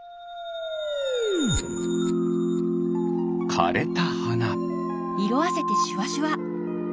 かれたはな。